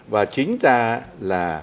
và chính ra là